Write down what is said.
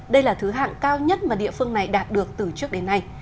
đây là thứ hạng cao nhất mà địa phương này đạt được từ trước đến nay